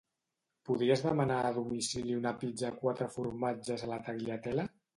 Podries demanar a domicili una pizza quatre formatges a la Tagliatella?